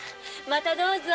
またどうぞ！